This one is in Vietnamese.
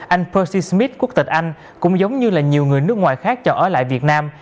anh persea smith quốc tịch anh cũng giống như là nhiều người nước ngoài khác cho ở lại việt nam